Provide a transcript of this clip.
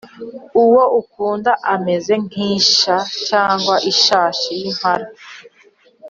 Uwo nkunda ameze nk’isha cyangwa ishashi y’impara.